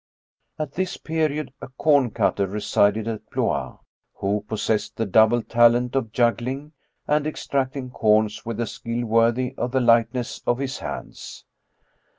At this period a corn cutter resided at Blois, who possessed 205 True Stories of Modern Magic the double talent of juggling and extracting corns with a skill worthy of the lightness of his hands.